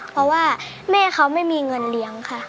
เพราะว่าแม่เขาไม่มีเงินเลี้ยงค่ะ